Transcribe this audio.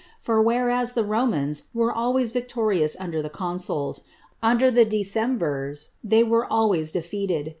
For whereas the Romans were always victorious under the consuls, under the decemvirs they were always defeated.